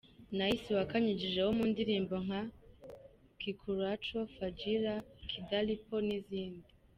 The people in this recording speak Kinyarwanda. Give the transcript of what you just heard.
Nice wakanyujijeho mu ndirimbo nka “Kikulacho,” “Fagilia,” “Kidali Po” n’izindi.